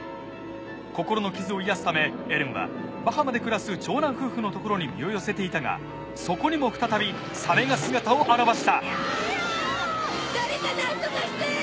心の傷を癒やすためエレンはバハマで暮らす長男夫婦のところに身を寄せていたがそこにも再びサメが姿を現したティア！